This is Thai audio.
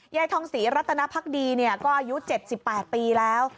ยายทองศรีรัตนภักดีก็อายุ๗๘ปีแล้ว